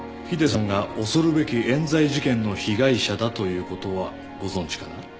ヒデさんが恐るべき冤罪事件の被害者だという事はご存じかな？